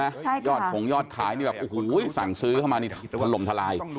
ใช่ยอดขงยอดขายนี่แบบโอ้โหสั่งซื้อเข้ามานี่ถล่มทลาย